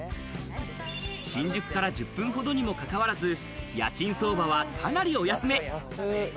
新宿から１０分ほどにもかかわらず、家賃相場は、かなりお安め。